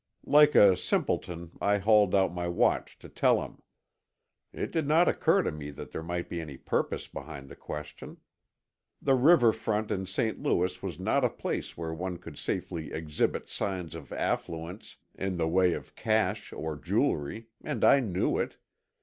Like a simpleton I hauled out my watch to tell him. It did not occur to me that there might be any purpose behind the question. The river front in St. Louis was not a place where one could safely exhibit signs of affluence in the way of cash or jewelry—and I knew it.